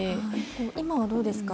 今はどうですか？